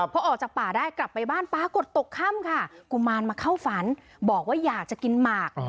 พอออกจากป่าได้กลับไปบ้านปรากฏตกค่ำค่ะกุมารมาเข้าฝันบอกว่าอยากจะกินหมาก